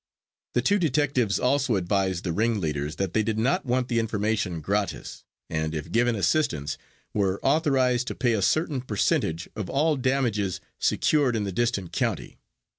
The two detectives also advised the ring leaders that they did not want the information gratis, and if given assistance were authorized to pay a certain percentage of all damages secured in the distant county.